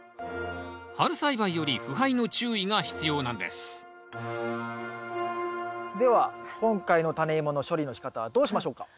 春栽培より腐敗の注意が必要なんですでは今回のタネイモの処理の仕方はどうしましょうか？